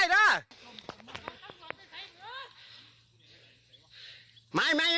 ลืมมีดออก